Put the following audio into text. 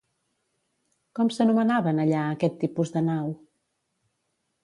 Com s'anomenaven allà aquest tipus de nau?